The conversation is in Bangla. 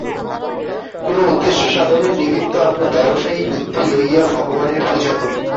কোন উদ্দেশ্য-সাধনের নিমিত্ত আমরা ব্যবসায়ী বুদ্ধি লইয়া ভগবানের পূজা করি।